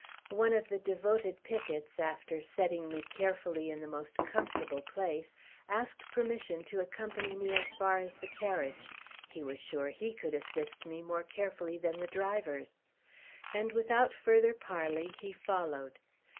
One of the devoted pickets, after setting me carefully in the most comfortable place, asked permission to accompany me as far as the carriage; he was sure he could assist me more carefully than the drivers. And without further parley, he followed.